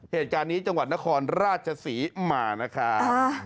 เหตุการณ์นี้จังหวัดนครราชศรีมานะครับ